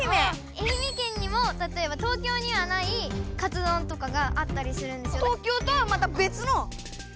愛媛県にもたとえば東京にはないカツ丼とかがあったりするんですよ。